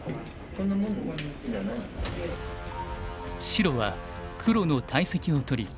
白は黒の大石を取り